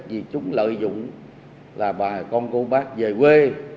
vì chúng lợi dụng là bà con cô bác về quê